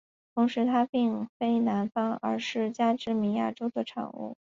同时它并非南方而是加州和密歇根的产物。